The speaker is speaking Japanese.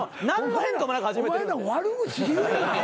お前ら悪口言うなアホ。